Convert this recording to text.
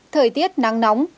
thời tiết nắng nóng